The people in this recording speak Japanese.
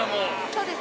そうです